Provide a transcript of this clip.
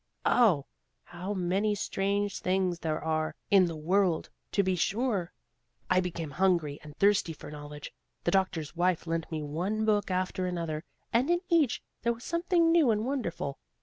Oh! how many strange things there are in the world, to be sure! I became hungry and thirsty for knowledge. The doctor's wife lent me one book after another, and in each there was something new and wonderful.